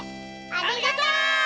ありがとう！